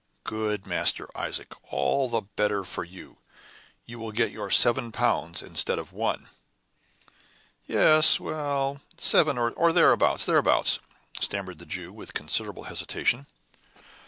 "Good, Master Isaac; all the better for you! You will get your seven pounds instead of one!" "Yes; well, seven, or thereabouts thereabouts," stammered the Jew with considerable hesitation.